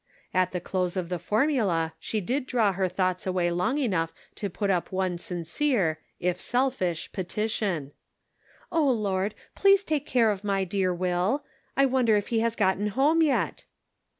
At the close of the formula she did draw her thoughts away long enough to put up one sincere, if selfish, petition :" Oh, Lord, take care of my dear Will. I wonder if lie has got home yet?"